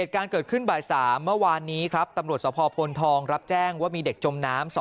การเกิดขึ้นบ่าย๓เมื่อวานนี้ครับตำรวจสภพลทองรับแจ้งว่ามีเด็กจมน้ำ